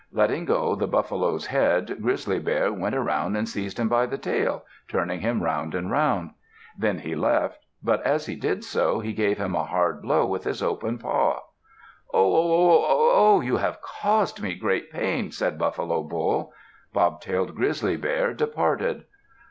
Letting go the buffalo's head, Grizzly Bear went around and seized him by the tail, turning him round and round. Then he left, but as he did so, he gave him a hard blow with his open paw. "Oh! Oh! Oh! Oh! Oh! you have caused me great pain," said Buffalo Bull. Bobtailed Grizzly Bear departed.